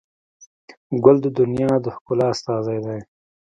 ګل د دنیا د ښکلا استازی دی.